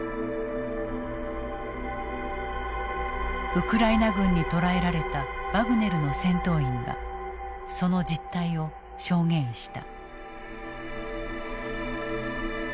ウクライナ軍に捕らえられたワグネルの戦闘員はその実態を証言した。